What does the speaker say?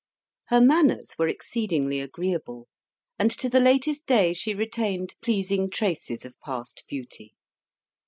Her manners were exceedingly agreeable, and to the latest day she retained pleasing traces of past beauty.